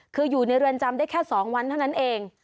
คืออยู่ในเรือนจำได้แค่๒วันเท่านั้นเอง